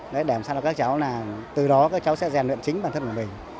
để làm sao cho các cháu là từ đó các cháu sẽ rèn luyện chính bản thân của mình